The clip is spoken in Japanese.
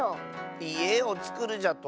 いえをつくるじゃと？